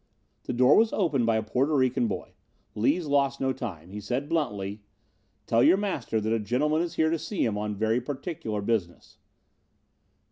The door was opened by a Porto Rican boy. Lees lost no time. He said bluntly: "Tell your master that a gentleman is here to see him on very particular business."